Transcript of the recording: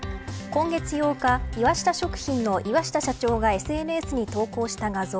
今月８日、岩下食品の岩下社長がＳＮＳに投稿した画像。